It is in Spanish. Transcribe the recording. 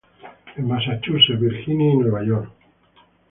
En Massachusetts, Virginia, y Nueva York.